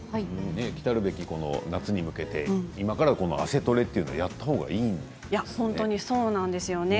きたるべきが夏に向けて今から汗トレというのをやったほうがいいんですよね。